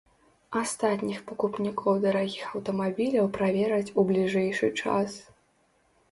Астатніх пакупнікоў дарагіх аўтамабіляў правераць у бліжэйшы час.